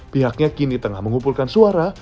pihaknya kini tengah mengumpulkan suara